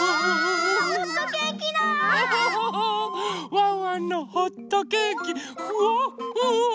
ワンワンのホットケーキフワッフワ。